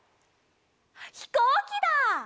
ひこうきだ！